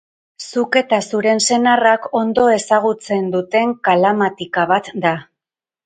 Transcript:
Zuk eta Zuren senarrak ondo ezagutzen duten kalamatika bat da.